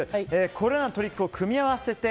これらのトリックを組み合わせて